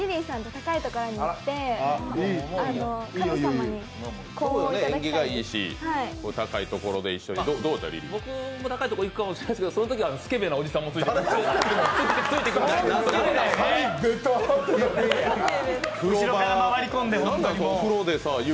僕も高いところに行くかもしれないですけど、そのときはスケベなおじさんもついてくるんで。